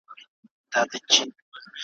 در لېږل چي مي ګلونه هغه نه یم `